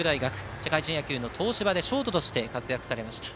社会人野球の東芝でショートとして活躍されました。